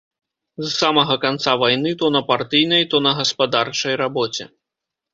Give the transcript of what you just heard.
З самага канца вайны то на партыйнай, то на гаспадарчай рабоце.